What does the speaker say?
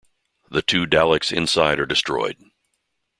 The two Daleks inside are destroyed.